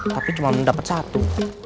tapi cuma mendapet satu